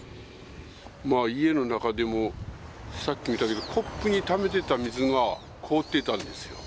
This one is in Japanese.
家の中でもさっき見たけど、コップにためてた水が凍ってたんですよ。